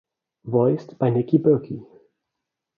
Voiced by Nicki Burke.